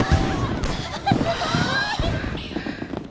すごい！